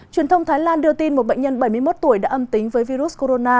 truyền thông thái lan đưa tin một bệnh nhân bảy mươi một tuổi đã âm tính với virus corona